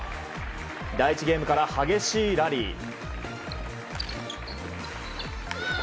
第１ゲームから激しいラリー。